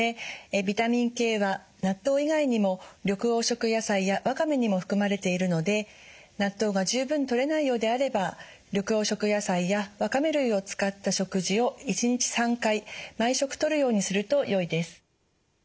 ビタミンＫは納豆以外にも緑黄色野菜やわかめにも含まれているので納豆が十分とれないようであれば緑黄色野菜やわかめ類を使った食事を１日３回毎食とるようにするとよいです。